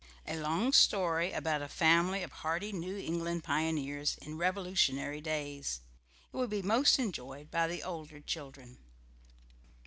A long story about a family of hardy New England pioneers in Revolutionary days. It will be most enjoyed by the older children.